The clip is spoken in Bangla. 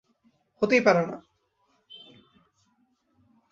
হতেই পারে না!